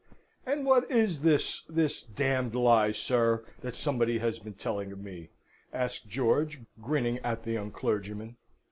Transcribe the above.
"And what is this this d d lie, sir, that somebody has been telling of me?" asked George, grinning at the young clergyman.